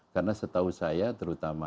karena setahu saya terutama